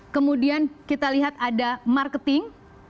kemudian kita lihat ada marketing